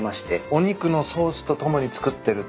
お肉のソースと共に作ってるっていうこと。